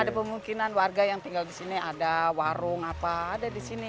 ada kemungkinan warga yang tinggal di sini ada warung apa ada di sini